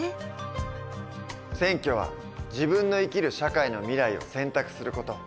選挙は自分の生きる社会の未来を選択する事。